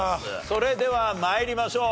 それでは参りましょう。